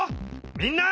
みんな！